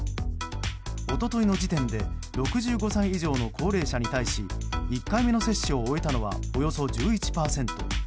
一昨日の時点で６５歳以上の高齢者に対し１回目の接種を終えたのはおよそ１１％。